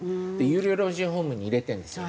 有料老人ホームに入れてるんですよ